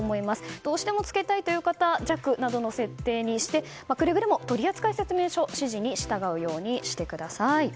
どうしてもつけたいという方は弱などの設定にしてくれぐれも取扱説明書の指示に従うようにしてください。